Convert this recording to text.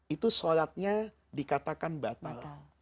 itu sholatnya dikatakan batal